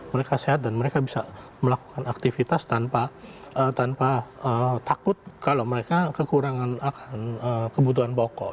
mereka sehat dan mereka bisa melakukan aktivitas tanpa takut kalau mereka kekurangan akan kebutuhan pokok